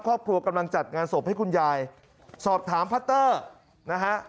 ครอบครัวกำลังจัดงานสบให้คุณยายสอบถามพัตเตอร์นะฮะ